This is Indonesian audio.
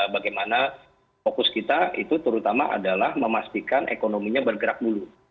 bagaimana fokus kita itu terutama adalah memastikan ekonominya bergerak dulu